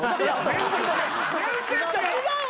全然違う。